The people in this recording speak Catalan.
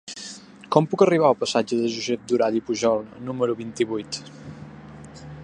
Com puc arribar al passatge de Josep Durall i Pujol número vint-i-vuit?